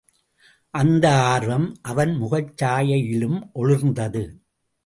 அந்த ஆர்வம் அவன் முகச்சாயையிலும் ஒளிர்ந்தது.